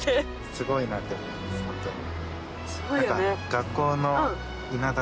すごいなって思いますホントに。